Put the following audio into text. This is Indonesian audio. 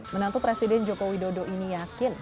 menantu presiden joko widodo ini yakin